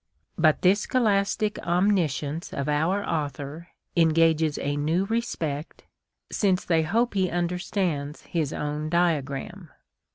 But this scholastic omniscience of our author engages a new respect, since they hope he understands his own diagram.